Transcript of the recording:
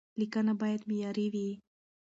لیکنه باید معیاري وي.